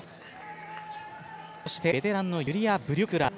そして、３１歳ベテランのユリア・ブリュックラー。